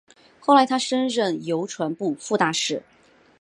后来他升任邮传部副大臣。